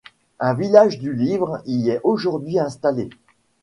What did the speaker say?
Un village du livre y est aujourd'hui installé.